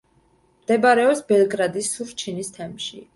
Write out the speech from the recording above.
მდებარეობს ბელგრადის სურჩინის თემში.